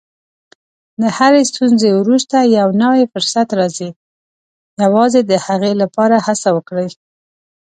د هرې ستونزې وروسته یو نوی فرصت راځي، یوازې د هغې لپاره هڅه وکړئ.